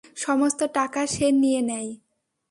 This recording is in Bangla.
সমস্ত টাকা সে নিয়ে নেয়।